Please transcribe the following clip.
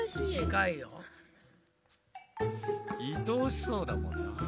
いとおしそうだもんな。